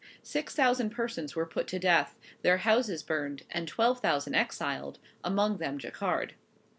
Six thousand persons were put to death, their houses burned, and twelve thousand exiled; among them Jacquard.